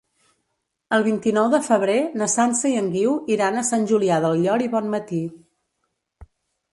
El vint-i-nou de febrer na Sança i en Guiu iran a Sant Julià del Llor i Bonmatí.